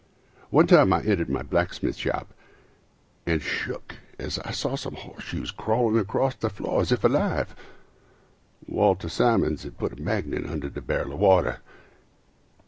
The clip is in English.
One time I entered my blacksmith shop And shook as I saw some horse shoes crawling Across the floor, as if alive— Walter Simmons had put a magnet Under the barrel of water.